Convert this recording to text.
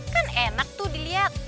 kan enak tuh dilihat